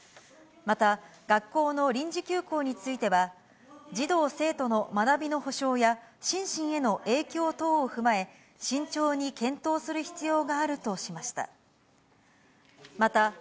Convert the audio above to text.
また、学校の臨時休校については、児童生徒の学びの保障や、心身への影響等を踏まえ、慎重に検討する必要があるとしました。